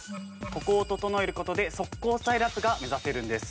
ここを整えることで、速攻スタイルアップが目指せるんです。